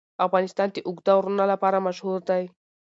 افغانستان د اوږده غرونه لپاره مشهور دی.